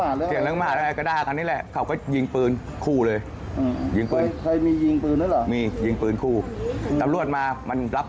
อ่าที่บอกอย่างนี้เราเรียกได้เนอะ